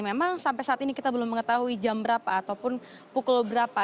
memang sampai saat ini kita belum mengetahui jam berapa ataupun pukul berapa